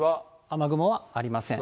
雨雲はありません。